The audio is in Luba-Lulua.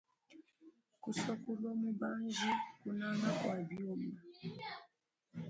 Kusua kulua mubanji, kunanga kua biuma.